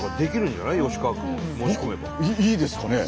僕いいですかね？